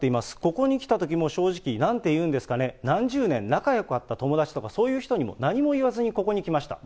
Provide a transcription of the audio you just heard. ここに来たときも正直、なんていうんですかね、何十年仲よかった友達とかそういう人にも何も言わずにここに来ました。